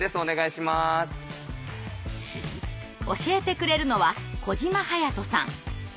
教えてくれるのは小島勇人さん。